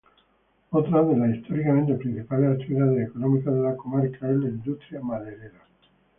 Otra de las históricamente principales actividades económicas de la comarca es la industria maderera.